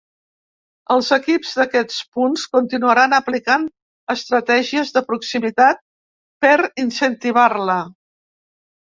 Els equips d’aquests punts continuaran aplicant estratègies de proximitat per incentivar-la.